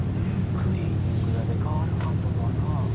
クリーニング屋でガールハントとはなあ。